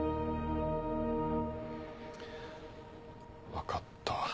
分かった。